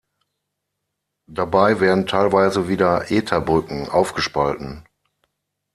Dabei werden teilweise wieder Ether-Brücken aufgespalten.